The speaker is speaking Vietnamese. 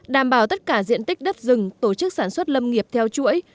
đảm bảo tất cả diện tích đất rừng tổ chức sản xuất lâm nghiệp theo chuỗi